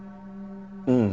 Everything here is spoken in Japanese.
うん。